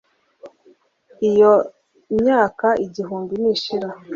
Iyo myaka igihumbi nishira,